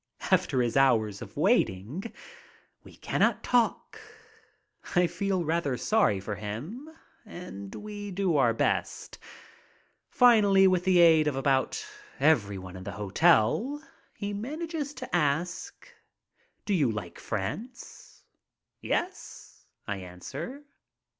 After his hours of waiting we cannot talk. I feel rather sorry for him and we do our best. Finally, with the aid of about everyone in the hotel he manages to ask: "Do you like France?" "Yes," I answer.